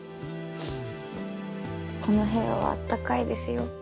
この部屋はあったかいですよ。